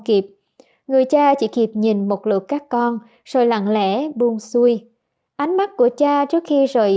kịp người cha chỉ kịp nhìn một lượt các con rồi lặng lẽ buôn xuôi ánh mắt của cha trước khi rời